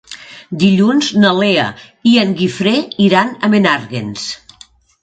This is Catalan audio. Dilluns na Lea i en Guifré iran a Menàrguens.